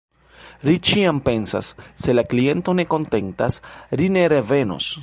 Ri ĉiam pensas "Se la kliento ne kontentas, ri ne revenos".